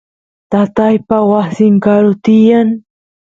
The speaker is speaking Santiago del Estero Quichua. tataypa wasin karu tiyan